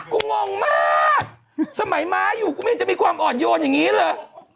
งงมากสมัยม้าอยู่กูไม่เห็นจะมีความอ่อนโยนอย่างนี้เลย